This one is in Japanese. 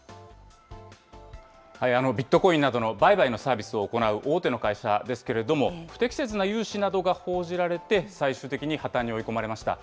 ビットコインなどの売買のサービスを行う大手の会社ですけれども、不適切な融資などが報じられて、最終的に破綻に追い込まれました。